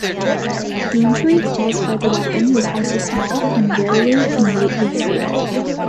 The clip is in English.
The injury caused by the weapon was also small and rarely immediately fatal.